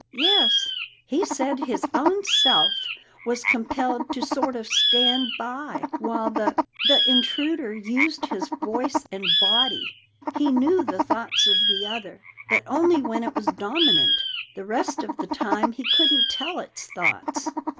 "Yes. He said his own self was compelled to sort of stand by while the the intruder used his voice and body. He knew the thoughts of the other, but only when it was dominant. The rest of the time he couldn't tell its thoughts."